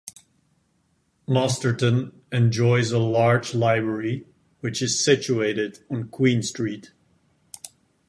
Masterton enjoys a large library which is situated on Queen Street.